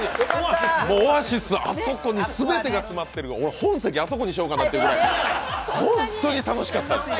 オアシス、あそこに全てが詰まってる、本籍あそこにしようかなというぐらい、本当に楽しかったです。